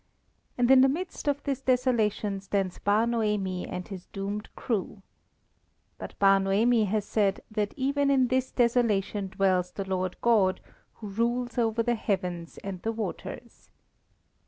And in the midst of this desolation stands Bar Noemi and his doomed crew. But Bar Noemi has said that even in this desolation dwells the Lord God, who rules over the heavens and the waters.